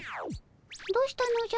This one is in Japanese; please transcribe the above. どうしたのじゃ？